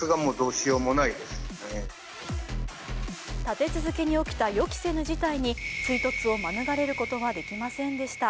立て続けに起きた予期せぬ事態に追突を免れることはできませんでした。